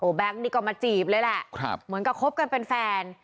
แก๊งนี่ก็มาจีบเลยแหละเหมือนกับคบกันเป็นแฟน